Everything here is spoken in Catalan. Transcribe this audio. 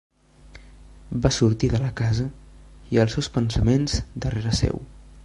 Va sortir de la casa i els seus pensaments darrere seu.